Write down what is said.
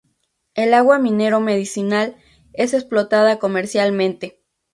El agua minero-medicinal es explotada comercialmente.